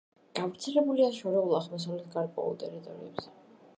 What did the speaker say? გავრცელებულია შორეული აღმოსავლეთის გარკვეულ ტერიტორიებზე.